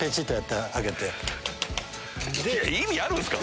意味あるんすか？